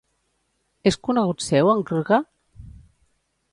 És conegut seu en Grga?